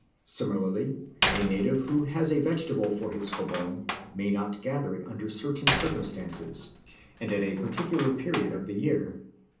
Similarly, a native who has a vegetable for his kobong may not gather it under certain circumstances, and at a particular period of the year."